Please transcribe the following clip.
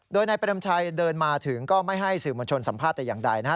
โดยนายเปรมชัยเดินมาถึงก็ไม่ให้สื่อมวลชนสัมภาษณ์แต่อย่างใดนะฮะ